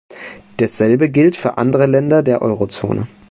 Dasselbe gilt für andere Länder der Euro-Zone.